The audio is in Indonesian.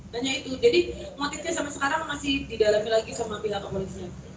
banyak itu jadi motifnya sampai sekarang masih didalami lagi sama pihak kepolisian